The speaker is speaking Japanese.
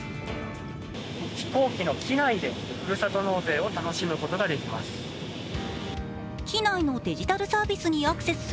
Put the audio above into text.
飛行機の機内で、ふるさと納税を楽しむことができます。